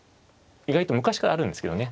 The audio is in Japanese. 意外と昔からあるんですけどね。